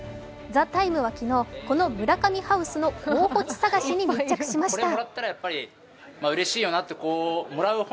「ＴＨＥＴＩＭＥ，」は昨日この村上ハウスの候補地探しに密着しました。